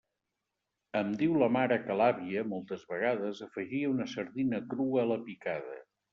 Em diu la mare que l'àvia, moltes vegades, afegia una sardina crua a la picada.